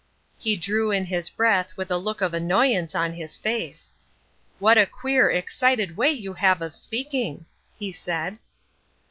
He drew in his breath with a look of annoyance on his face. "What a queer, excited way you have of speaking," he said.